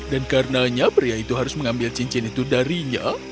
dan karenanya pria itu harus mengambil cincin itu darinya